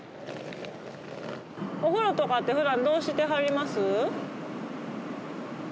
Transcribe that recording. お風呂とかってふだん、どうしてはります？